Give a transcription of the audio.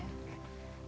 tapi ya tetep aja